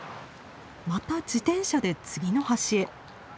また自転車で次の橋へ。